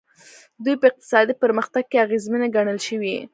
دوی په اقتصادي پرمختګ کې اغېزمنې ګڼل شوي.